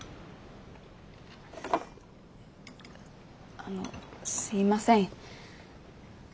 あのすいません。